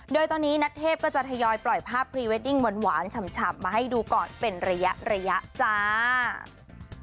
โดยตอนนี้นัทเทพก็จะทยอยปล่อยภาพพรีเวดดิ้งหวานฉ่ำมาให้ดูก่อนเป็นระยะจ้า